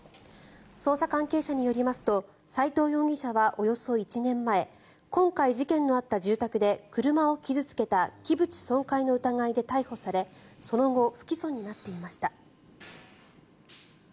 捜査関係者によりますと斎藤容疑者はおよそ１年前今回、事件のあった住宅で車を傷付けた器物損壊の疑いで逮捕されその後不起訴になっていました。